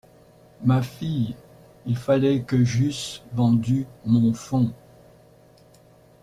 Ma fille, il fallait que j’eusse vendu mon fonds…